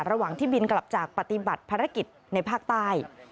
ระหว่างที่บินกลับจากปฏิบัติภารกิจในภาคใต้